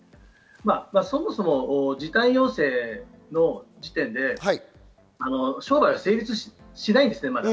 そもそも時短要請の時点で商売は成立しないんです。